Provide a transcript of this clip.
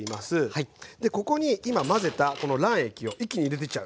ここに今混ぜたこの卵液を一気に入れてっちゃう。